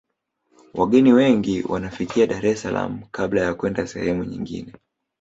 wageni wengi wanafikia dar es salaam kabla ya kwenda sehemu nyingine